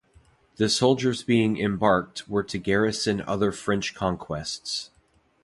The soldiers being embarked were to garrison other French conquests.